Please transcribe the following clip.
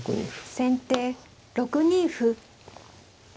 先手６二歩。